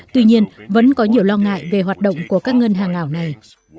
tuy nhiên vẫn có nhiều lo ngại về hoạt động của các ngân hàng ảo này